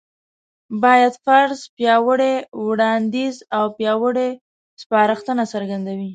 بايد: فرض، پياوړی وړانديځ او پياوړې سپارښتنه څرګندوي